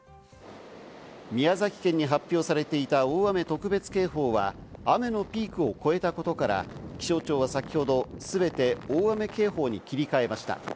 宮崎県に発表されていた大雨特別警報は雨のピークを超えたことから、気象庁は先ほど全て大雨警報に切り替えました。